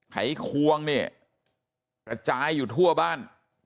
หายควงเนี่ยกระจายอยู่ทั่วบ้าน